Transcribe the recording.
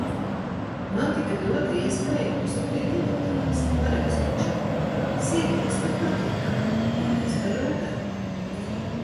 Man tika dota iespēja nosūtīt elektroniski pareizo čeku. Sīkums, bet patīkami! Paldies par rūpēm!